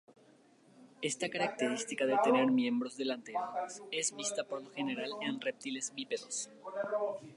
Esta característica de tener miembros delanteros es vista por lo general en reptiles bípedos.